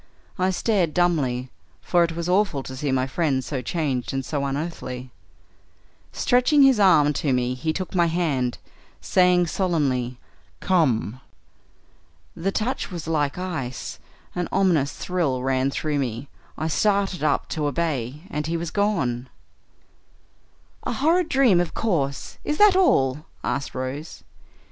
I stared dumbly, for it was awful to see my friend so changed and so unearthly. Stretching his arm to me he took my hand, saying solemnly, 'Come!' The touch was like ice; an ominous thrill ran through me; I started up to obey, and he was gone." "A horrid dream, of course. Is that all?" asked Rose.